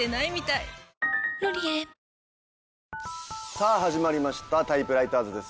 さあ始まりました『タイプライターズ』です。